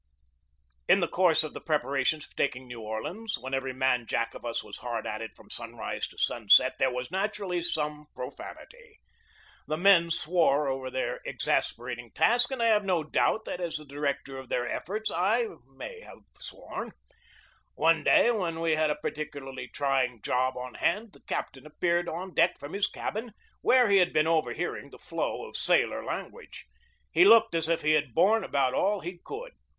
In the course of the preparations for taking New Orleans, when every man Jack of us was hard at it from sunrise to sunset, there was, naturally, some profanity. The men swore over their exasperating task, and I have no doubt that, as the director of their efforts, I may have sworn. One day, when we had a particularly trying job on hand, the captain appeared on deck from his cabin, where he had been overhearing the flow of sailor language. He looked as if he had borne about all he could.